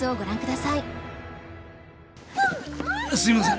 すいません。